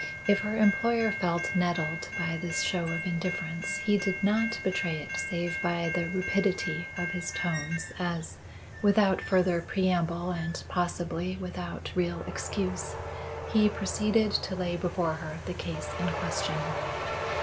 If her employer felt nettled by this show of indifference, he did not betray it save by the rapidity of his tones as, without further preamble and possibly without real excuse, he proceeded to lay before her the case in question.